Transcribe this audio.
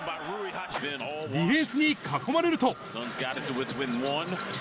ディフェンスに囲まれると。